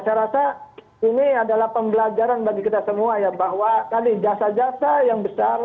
saya rasa ini adalah pembelajaran bagi kita semua ya bahwa tadi jasa jasa yang besar